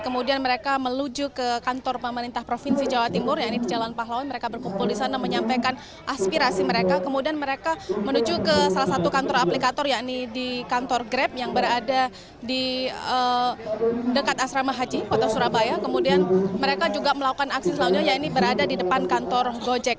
kemudian mereka juga melakukan aksi selanjutnya yang ini berada di depan kantor ojek